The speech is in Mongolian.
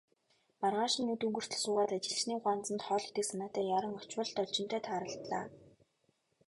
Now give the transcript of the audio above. Маргааш нь үд өнгөртөл суугаад, ажилчны гуанзанд хоол идэх санаатай яаран очвол Должинтой тааралдлаа.